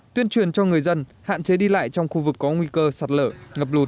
tuyên truyền cho người dân hạn chế đi lại trong khu vực có nguy cơ sạt lở ngập lụt